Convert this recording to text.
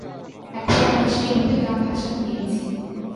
এখন আবার সেইরূপে গা ভাসান দিয়েছি।